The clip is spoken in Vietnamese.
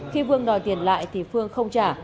khi phương đòi tiền lại thì phương không trả